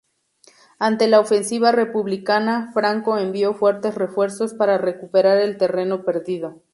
Ante la ofensiva republicana, Franco envió fuertes refuerzos para recuperar el terreno perdido.